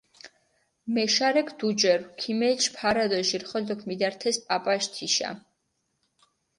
მეშარექ დუჯერუ, ქიმეჩჷ ფარა დო ჟირხოლოქ მიდართეს პაპაში თიშა.